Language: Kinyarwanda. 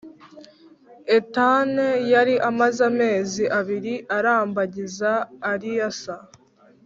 Ethan yari amaze amezi abiri arambagiza Alyssa